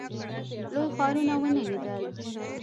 لوی ښارونه ونه لیدل.